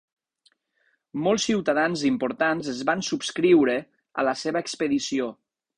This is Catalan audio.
Molts ciutadans importants es van subscriure a la seva expedició.